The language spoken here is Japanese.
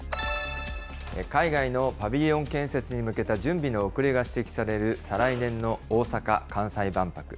海外のパビリオン建設に向けた準備の遅れが指摘される再来年の大阪・関西万博。